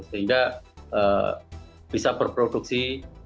sehingga bisa berproduksi